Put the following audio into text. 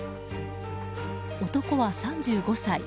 男は３５歳。